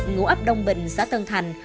ngũ ấp đông bình xã tân thành